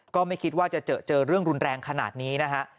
ก็ไม่คิดว่าจะเจอเรื่องรุนแรงขนาดนี้นะฮะ